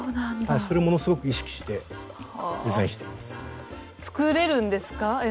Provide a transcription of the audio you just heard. それをものすごく意識してデザインしています。